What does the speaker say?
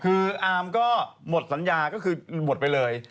คืออาร์มก็หมดสัญญาก็คือหมดไปเลย